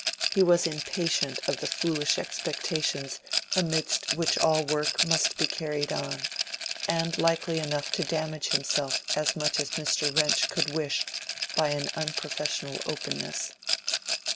He was impatient of the foolish expectations amidst which all work must be carried on, and likely enough to damage himself as much as Mr. Wrench could wish, by an unprofessional openness.